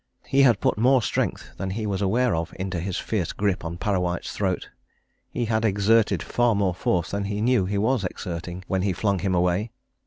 He had put more strength than he was aware of into his fierce grip on Parrawhite's throat; he had exerted far more force than he knew he was exerting, when he flung him away.